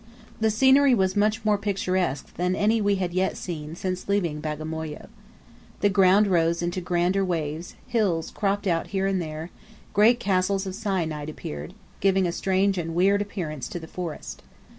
The scenery was much more picturesque than any we had yet seen since leaving Bagamoyo. The ground rose into grander waves hills cropped out here and there great castles of syenite appeared, giving a strange and weird appearance to the forest.